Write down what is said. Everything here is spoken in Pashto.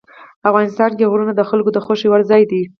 افغانستان کې غرونه د خلکو د خوښې وړ ځای دی.